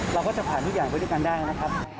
เราก็จะผ่านทุกอย่างไปด้วยกันได้นะครับ